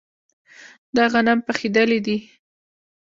دا غنم پخیدلي دي.